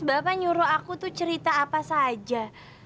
bapak nyuruh aku tuh cerita apa saja